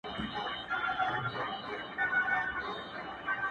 ګورې چې پرې نۀ ږدې دا کلے دغه بام هلکه